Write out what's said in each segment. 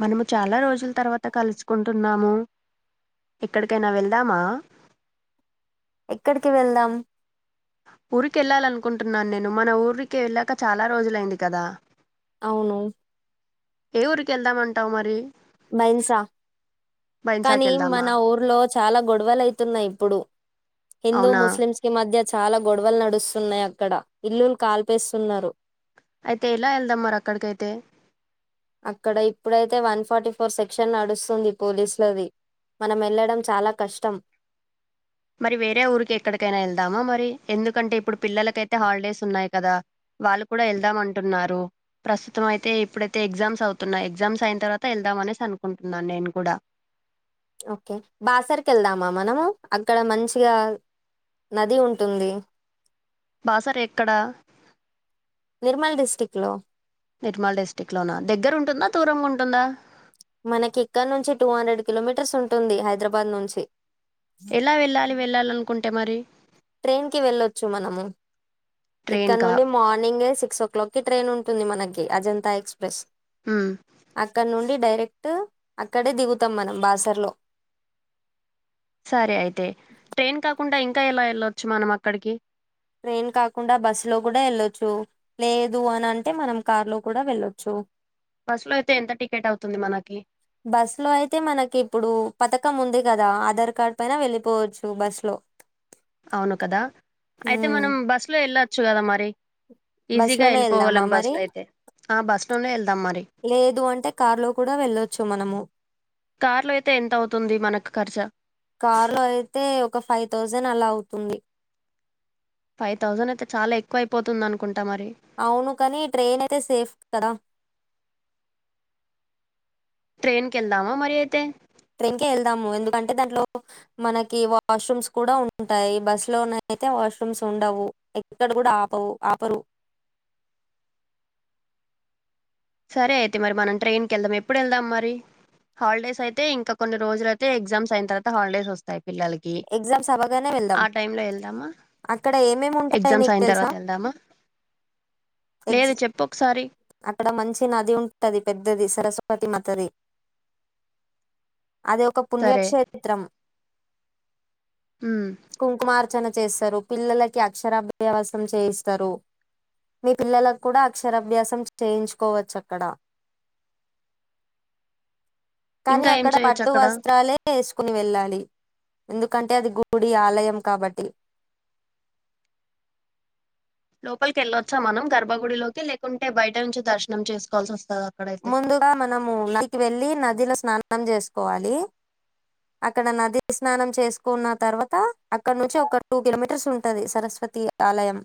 మనము చాలా రోజుల తర్వాత కలుసుకుంటున్నాము ఎక్కడికైనా వెళ్దామా ఎక్కడికి వెళ్దాం ఊరిక వెళ్ళాలనుకుంటున్నాను నేను మన ఊరికి వెళ్ళాక చాలా రోజులైంది కదా అవును ఏ ఊరికి వెళ్దామంటావు మరి బైన్సా బైన్సాకి కానీ మన వెళ్దామా ఊర్లో చాలా గొడవలు అయితున్నాయి ఇప్పుడు హిందూ అవునా ముస్లిం కి మధ్య చాలా గొడవలు నడుస్తున్నాయి అక్కడ ఇల్లులు కాల్పేస్తున్నారు అయితే ఎలా వెళ్దాం మరి అక్కడికైతే అక్కడ ఇప్పుడైతే వన్ ఫార్టీ ఫోర్ సెక్షన్ నడుస్తుంది పోలీసులది మనం వెళ్లడం చాలా కష్టం మరి వేరే ఊరికి ఎక్కడికైనా వెళ్దామా మరి ఎందుకంటే ఇప్పుడు పిల్లలకైతే హాలిడేస్ ఉన్నాయి కదా వాళ్ళు కూడా వెళ్దాం అంటున్నారు ప్రస్తుతం అయితే ఇప్పుడైతే ఎగ్జామ్స్ అవుతున్నాయి ఎగ్జామ్స్ అయిన తర్వాత వెళ్దాం అనేసి అనుకుంటున్నా నేను కూడా ఓకే బాసర్కి వెళ్దామా మనము అక్కడ మంచిగా నది ఉంటుంది బాసర ఎక్కడ టిక్లో నిర్మల్ డిస్ట్రిక్ట్ లోనా దగ్గర ఉంటుందా దూరం ఉంటుందా మనకి ఇక్కడ నుంచి టూ హండ్రెడ్ కిలోమీటర్స్ ఉంటుంది హైదరాబాద్ నుంచి ఎలా వెళ్ళాలి వెళ్ళాలనుకుంటే ఎమరి ట్రైన్ కి వెళ్ళొచ్చు మనము ట్రైన్ ఇక్కడ కా నుండి మార్నింగే సిక్స్ ఓ క్లాక్కి ట్రైన్ ఉంటుంది మనకి అజంతా ఎక్స్ ఎక్సప్రెస్ హ్మ్ అక్కడ నుండి డైరెక్ట్ అక్కడే దిగుతాం మనం బాసర్ లో సరే అయితే ట్రైన్ క కుండా ఇంకా ఎలా వెళ్ళొచ్చు మనం అక్కడికి ట్రైన్ కాకుండా బస్సు లో కూడా ఎళ్ళొచ్చు లేదు అని అంటే మనం కార్ లో కూడా వెళ్ళొచ్చు బస్సు లో అయితే ఎంత టికెట్ అవుతుంది మనకి బస్ లో అయితే మనకి ఇప్పుడు పతకం ఉంది కదా ఆధార్ కార్డ్ పైన వెళ్ళిపోవచ్చు బస్ లో అవును కదా అయితే ఉమ్ మనం బస్ లో ఎళ్ళ చుగద మరి బస్ ఈజీగా లోనే ఎళ్దామా వెళ్ళిపోగలం మరి బస్సులో అయితే ఆ బస్సులోనే వెళ్దాం మరి లేదు అంటే కార్ లో కూడా వెళ్ళొచ్చు మనము కార్లో అయితే ఎంత అవుతుంది మనకు ఖర్చు కారులో అయితే ఒక ఫైవ్ థౌజండ్ అలా అవుతు తుంది ఫైవ్ థౌసండ్ అయితే చాలా ఎక్కువ అయిపోతుంది అనుకుం అవును కానీ ట్రైన్ అయితే సేఫ్ కదా ట్రైన్ కి ఎళ్దామా మరి అయితే ట్రైన్ కె ఎళ్దాము ఎందుకంటే దాంట్లో మనకి వాష్రూమ్స్ కూడా ఉంటాయి బస్సు లోన అయితే వాష్రూమ్స్ ఉండవు ఎక్కడ కూడా ఆపవు ఆపరు సరే అయితే మరి మనం ట్రైన్కళ్దాం ఎప్పుడు ఎళ్దాం మరి హాలిడేస్ అయితే ఇంకా కొన్ని రోజులు అయితే ఎగ్జామ్స్ అయిన తర్వాత హాలిడేస్ ఒస్తాయి పిల్లలకి ఎగ్జామ్స్ అవ్వగానే వెళ్దాం. ఆ టైంలో ఎళ్దామా అక్కడ ఏమేమి ఉంటాయి ఎగ్జామ్స్ నీకు అయిన తెలుసా? తర్వాత ఎళ్దామా ఎగ్జ్ లేదు చెప్పు ఒకసారి అక్కడ మంచి నది ఉంటది పెద్దది సరస్వతి మాతాది అది ఒక సరే పుణ్యక్షేత్రం ఉమ్ కుంకుమార్ ర్చన చేస్తరు పిల్లలకి అక్షరాభ్యాసం చేయిస్తరు. మీ పిల్లలక్కుడా అక్షరాభ్యాసం చ్ చేయించుకోవచ్చక్కడ కానీ ఇంకా ఏం అక్కడ చేయొచ్చు పట్టు అక్కడ వస్త్రాలే ఎస్ కుని వెళ్ళాలి ఎందుకంటే అది గుడి, ఆలయం కాబట్టి. లోపలికెళ్ళొచ్చా మనం గర్భగుడిలోకి లేకుంటే బయట నుంచె దర్శనం చేసుకోవాల్సోస్తదా? ముందుగా మనము నదికి వెళ్ళి నదిలో స్నాన్ నం చేసుకోవాలి, అక్కడ నది స్నానం చేసుకున్న తర్వాత అక్కడ నుంచి ఒక టూ కిలోమీటర్స్ ఉంటది సరస్వతి ఆలయం.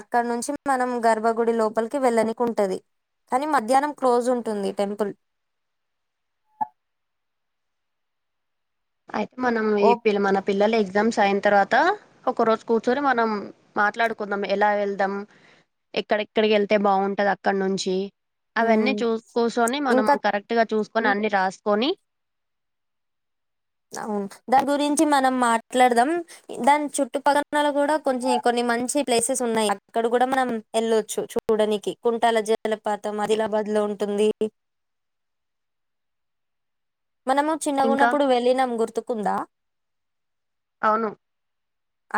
అక్కడ నుంచి మనం గర్భగుడి లోపలికి వెళ్ళనికి ఉంటది. కనీ మధ్యాహ్నం క్లోజుంటుంది టెంపుల్. అయితే మనం ఈ ఓ పి మన పిల్లలు ఎగ్ ఎక్సమ్స్ అయిన్తర్వాత ఒక రోజు కూర్చొని మనం మాట్లాడుకుందాం, ఎలా ఎళ్దాం ఎక్కడెక్కడికి ఎళ్తే బాగుంటది అక్కడ నుంచి. అవన్నీ ఉమ్. చూస్ కూసొని మనం ఇంకా కరెక్ట్ గా చూస్ కొని అన్ని రాసుకొని అవును దాని గురించి మనం మాట్లాడదాం, దాని చుట్టుపక్కల కూడా కొన్ని కొన్ని మంచి ప్లేసెస్ ఉన్నాయి. అక్కడ గుడా మనం ఎళ్లొచ్చు చూడనికి కుంటాల జలపాతం ఆదిలాబాద్ లో ఉంటుంది. మనము ఇంకా చిన్నగున్నప్పుడు వెళ్లినం గుర్తుక్ కుందా అవును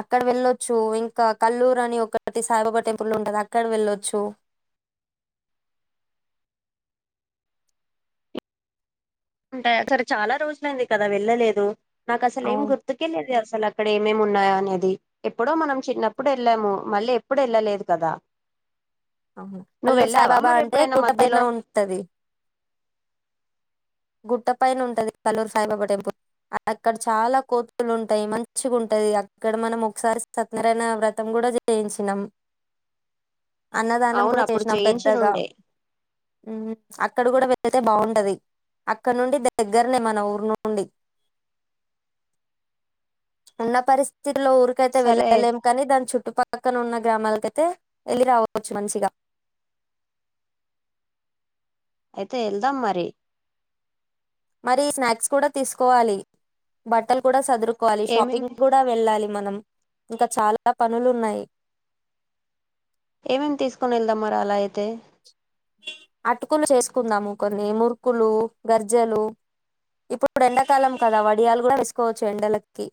అక్కడ వెళ్ళొచ్చు ఇంకా కల్లూరు అని ఒకటి సాయిబాబా టెంపుల్ ఉంటది అక్కడ వెళ్ళొచ్చు. ఉంటాయి సరే చాలా రోజులైంది కదా వెళ్ళలేదు. నాకసలు ఏం అవును గుర్తుకే లేదే అసల అక్కడ్ ఏమేమి ఉన్నాయ అనేది, ఎప్పుడో మనం చిన్నప్పుడు ఎళ్ళాము, మళ్ళీ ఎప్పుడు ఎళ్ళలేదు కదా? నువ్వు కల్లూరు వెళ్ళావా సాయిబాబా మరి అంటే ఎప్పుడైనా గుట్ట పైన మధ్యలో ఉంటది. గుట్ట పైనుంటది కల్లూరి సాయిబాబా టెంపుల్, అక్కడ చాలా కోతులుంటాయి, మంచిగ ఉంటది అక్కడ మనం ఒకసారి సత్యనారాయణ వ్రతం గుడా చేయించినం. అన్నదానం అవును గుడా అప్పుడు చేసినాం పెద్దగ చేయించినుండే హ్మ్ అక్కడ గుడా వెల్ ఏతే బావుంటది అక్కడ నుండి దగ్గరనే మన ఊరు నుండి ఉన్న పరిస్థిత్ లో ఊరికైతే సరే అయితే వెళ్ళలేం కనీ దాన్ చుట్టుపక్కన ఉన్న గ్రామాల తెతే ఏళ్ళి రావచ్చు మంచిగ అయితే ఏళ్దాం మరి మరి స్నాక్స్ కూడ తీసుకోవాలి, బట్టలు కూడ సదురు కోవాలి షాపింగ్ ఏమేమి గుడ వెళ్ళాలి మనం. ఇంక చాల పనులున్నయి. ఏమేం తీసుకొని ఎళ్దామ్ మరి అలా అయితే? అటుకులు చేసుకుందము కొన్ని మురుకులు, గర్జెలు ఇప్పుడు ఎండకాలం కదా వడియాలు గుడా వేసుకోవచ్చు ఎండలకి.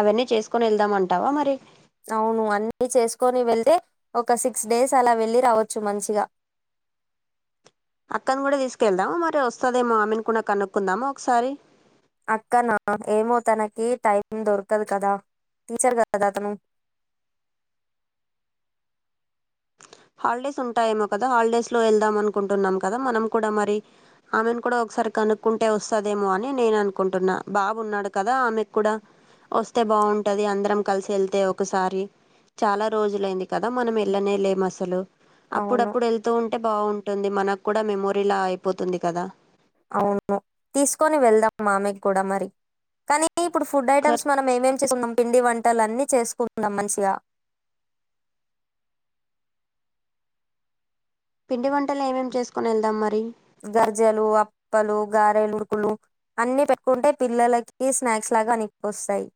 అవన్నీ చేసుకొని ఎళ్దామంటవ మరి? అవును అన్నీ చేసుకొని వెళ్తే, ఒక సిక్స్ డేస్ అలా వెళ్ళి రావచ్చు మంచిగ. అక్కను గుడ తీసుకెళ్దాము మరి వస్తదేమో ఆమెని కూడ కనుక్కుందమ ఒకసారి? అక్కన ఏమో తనకి టైం దొరకదు కదా టీచర్ గదా తను? హాలిడేస్ ఉంటాయేమో కదా హాలిడేస్ లో ఎళ్దామనుకుంటున్నాం కదా మనం కూడా మరి. ఆమెను కూడా ఒకసారి కనుక్కుంటే వస్తదేమో అని నేను అనుకుంటున్నా, బాబున్నాడు కదా ఆమెక్కుడా వస్తే బావుంటది అందరం కలిసి యెల్తే ఒకసారి చాలా రోజులైంది. కదా మనం ఎల్లనే లేము అస్ లో అవును అప్పుడప్పుడు వెళ్తూ ఉన్ అంటే బావుంటుంది మనకు కూడా మెమోరీలా అయిపోతుంది కదా అవును తీసుకొని వెళ్దాం మామెకి కూడా మరి కనీ నీ ఇప్పుడు ఫుడ్ ఐటమ్స్ ఒకసారి మనం ఏమేం చేసుకుందాం పిండి వంటలన్నీ చేసుకుందాం మంచిగ పిండి వన్ వంటలు ఏమేం చేసుకొని వెళ్దాం మరి ప్పలు గారెలురుకులు అన్ని పెట్టుకుంటే పిల్లలకి స్నాక్స్ లాగా అనిక్కుస్తాయి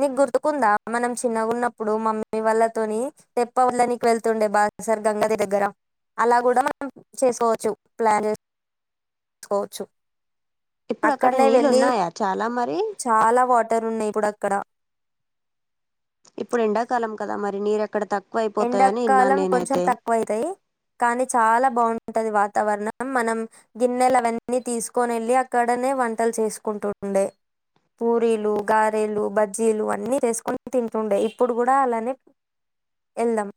నీకు గుర్తుకుందా మనం చిన్నగా ఉన్నప్పుడు మమ్మీ వాళ్ళతోని తెప్ప వండనికి వెళ్తుండే బా సర్ గంగాది దగ్గర అలా గుడా మనం చేసుకోవచ్చు ప్లాన్ చేసుకోవచ్చు ఇప్పుడు అక్కడ అక్కడనే నీళ్ళు వెళ్ళి ఉన్నాయా చాలా మరి చాలా వాటర్ ఉన్నాయి ఇప్పుడు అక్ క్కడ ఇప్పుడు ఎండాకాలం కదా మరి నీరక్కడ తక్ ఎండకాలం కొంచెం తక్కువ అయితయి కానీ చాలా బావుంటది వాతావరణం మనం గిన్నెలు అవన్నీ తీసుకొని ఏళ్ళి అక్కడనే వంటలు చేసుకుంటుండే పూరీలు గారేలు బజ్జీలు అన్నీ చేసుకొని తింటుండే ఇప్పుడు కూడా అలానే ఎల్దం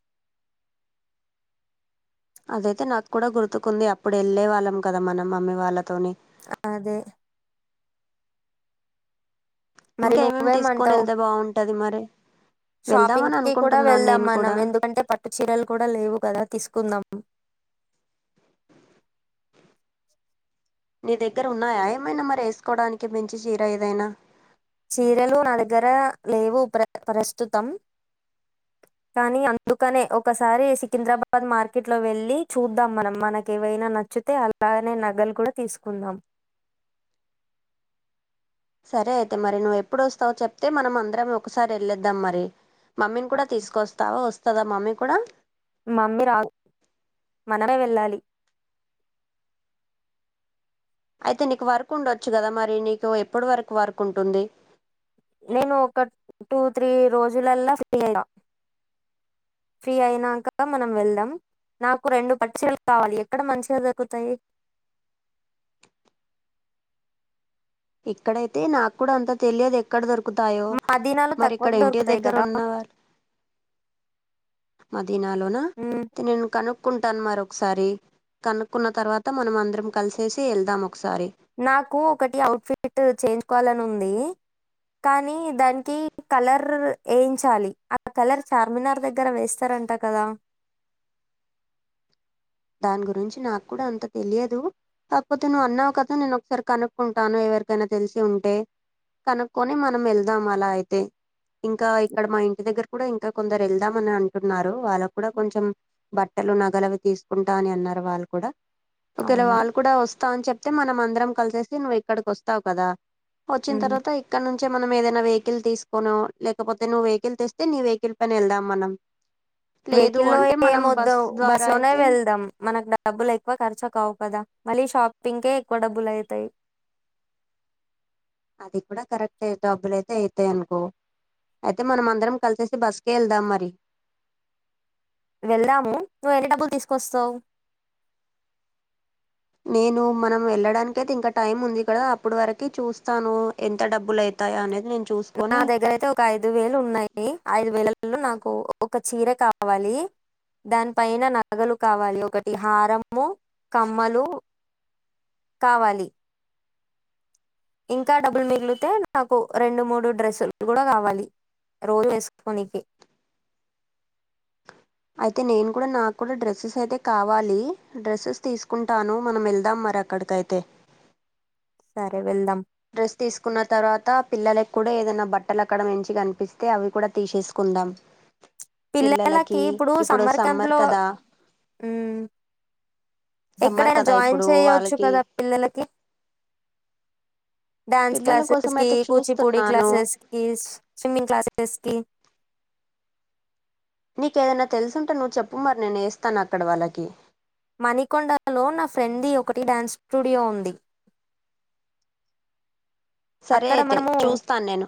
అదైతే నాకు కూడా గుర్తుకుంది అప్పుడు యెల్లె వాళ్ళం కదా మనం మమ్మీ వాళ్ళతోని అ అదే మరి ఇంకా ఏమేమి తీసుకొని నువ్వేమంటావు వెళ్తే బాగుంటది మరి వెళ్దామని షాపింగ్కి కూడా అనుకుంటున్నాను వెళ్దాం నేను మనం కూడా ఎందుకంటే పట్టు చీరలు కూడా లేవు కదా తీసుకుందాం ఉ నీ దగ్గర ఉన్నాయా ఏమైనా మరి ఏసుకోవడానికి మెంచి చీర ఏదైనా చీరలు నా దగ్గర లేవు ప్ర ప్రస్తుతం కానీ అందుకనే ఒకసారి సికింద్రాబాద్ మార్కెట్లో వెళ్ళి చూద్దాం మనం మనక ఏవైనా నచ్చుతే అలానే నగలు కూడా తీసుకుందాం సరే అయితే మరి నువ్వు ఎప్పుడు వస్తావో చెప్తే మనం అందరం ఒకసారి వెళ్ళేద్దాం మరి మమ్మీని కూడా తీసుకొస్తా వస్తదా మమీ కూడా మమ్మీ రాదు మనమే వెళ్ళాలి అయితే నీకు వరకు ఉండొచ్చు కదా మరి నీకు ఎప్పుడు వరకు వర్కుటుంది నేను ఒక టూ త్రీ రోజులలా ఫ్రీ అయ ఫ్రీ అయినంక మనం వెళ్దాం నాకు రెండు పచ్చలు కావాలి ఎక్కడ మంచిగా దొరుకుతాయి ఇక్కడైతే నాకు కూడా అంత తెలియదు ఎక్కడ దొరుకు దకుతాయో మదీనాలో మరి ఇక్కడ తక్కువకు ఇంటి దొరుకుతాయి దగ్గర కదా ఉన్నవార్ మద్ దినలోన ఉమ్, నేను కను క్కుంటాను మరి ఒకసారి కనుక్కున్న తర్వాత మనం అందరం కలిసేసి వెళ్దాము నాకు ఒకటి ఔట్ఫిట్ ట్ చేయించుకోవాలని ఉంది కానీ దానికి కలర్ర్ ఏయించాలి ఆ కలర్ చార్మినార్ దగ్గర వేస్తారంట కదా దాని గురించి నాకు కూడా అంత తెలియదు కాపోతే నువ్వు అన్నావు కదా నేను ఒకసారి కనుక్కుంటాను ఎవరికైనా తెలిసి ఉంటే కనుకొని మనం వెళ్దాం అలా అయితే ఇంకా ఇక్కడ మా ఇంటి దగ్గర కూడా ఇంకా కొందరు వెళ్దామ అని అంటున్నారు వాళ్ళకు కూడా కొంచెం బట్టలు నగలవి తీస్ కుంటా అని అన్నారు వాళ్ళు కూడా ఒకేలా అవునా వాళ్ళు కూడా వస్తా అని చెప్ అయితే మనం అందరం కలిసేసి నువ్వు ఇక్కడికి వస్తావు కదా వచ్చిన తర్వాత ఇక్కడ నుంచే మనం ఏదైనా వే వెహల్ తీసుకోను లేకపోతే నువ్వు వెహికల్ తెస్తే నీ వెహికల్ పైన వెళ్దాం మనం లేదు వెహికల్ల్లో అంటే ఏ మనం వోడు బస్ బస్సు ద్వారా లోనే అయితే వెళ్దాం మనకు డబ్బులు ఎక్కువ ఖర్చు కావు కదా మళ్ళీ షాపింగ్కే ఎక్కువ డబ్బులు అవుతాయి అది కూడా కరెక్ట్ డబ్బులయితే అయితాయ్ అనుకో అయితే మనం అందరం కలిసేసి బస్కే వెళ్దాం మరి వెళ్దాము నువ్వు ఎన్ని డబ్బులు తీస్కొస్తావ్ నేను మనం వెళ్ళడానికైతే ఇంకా టైమ్ ఉంది కదా అప్పుడు వరకి చూస్తాను ఎంత డబ్బులు అయితాయా అనేది నేను నా చూసుకొని దగ్గరయితే ఒక ఐదు వేలు ఉన్నాయి ఐదు వేలు లో నాకు ఒక చీర కావాలి దాని పైన నగలు కావాలి ఒకట్ హారము కమ్మలు కావాలి ఇంకా డబ్బులు మిగిలితే నాకు రెండు మూడు డ్రెస్సులు కూడా కావాలి రోజు వేస్కోనికి అయితే నేను కూడా నాకు కూడా డ్రెస్సెస్ అయితే కావాలి డ్రెస్సెస్ తీస్కుంటాను మనం వెళ్దాం మరి అక్కడికైతే సరే వెళ్దామ్ డ్రెస్ తీస్కున్న తర్వాత పిల్లలకి కూడా ఏదైనా బట్టలు అక్కడ మంచి కనిపిస్తే అవి కూడా తీసేస్కుందాం పిల్లలకి ఇప్పుడు సమ్మర్ క్యాంప్లో ఉమ్ సమ్మర్ ఎక్కడనా కదా జాయిన్ ఇప్పుడు చేయొచ్చు వాళ్ళకి కదా పిల్లలకి డ్యాన్స్ పిల్లల కోసం క్లాసెస్కి అయితే కూచిపూడి చూస్తున్నాను క్లాసెస్కి స్విమ్మింగ్ క్లాసెస్కి నీకేదైనా తెల్సుంటే నువ్వు చెప్పు మరి నేన్ యేస్తా నక్కడ వాళ్ళకి మణికొండలో నా ఫ్రెండ్ ది ఒకటి డాన్స్ స్టూడియో ఉంది సరే అక్కడ అయితే మనము చూస్తాన్ నేను